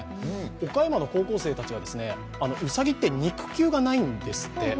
岡山の高校生たちがうさぎって、肉球がんないんですって。